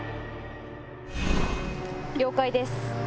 了解です。